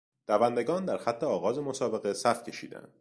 دوندگان در خط آغاز مسابقه صف کشیدند.